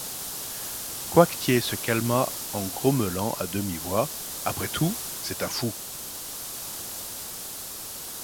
Coictier se calma en grommelant à demi-voix: — Après tout, c’est un fou!